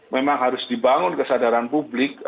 memang harus dibangun kesadaran publik